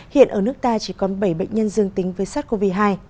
hiện ở nước ta chỉ còn bảy bệnh nhân dương tính với sars cov hai